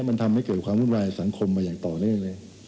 มันทำให้เกิดความวุ่นวายสังคมมาอย่างต่อเนื่องเลย